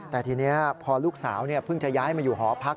แต่ทีนี้พอลูกสาวเพิ่งจะย้ายมาอยู่หอพัก